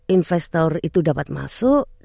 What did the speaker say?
investor itu dapat masuk